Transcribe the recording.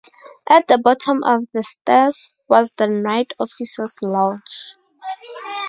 At the bottom of the stairs was the night officers' lodge.